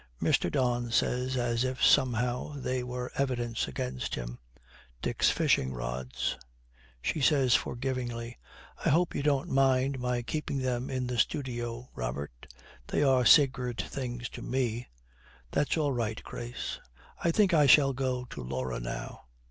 Mr. Don says, as if somehow they were evidence against him: 'Dick's fishing rods.' She says forgivingly, 'I hope you don't mind my keeping them in the studio, Robert. They are sacred things to me.' 'That's all right, Grace.' 'I think I shall go to Laura now.'